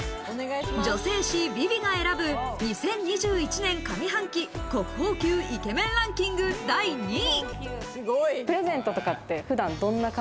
女性誌『ＶｉＶｉ』が選ぶ２０２１年上半期、国宝級イケメンランキング第２位。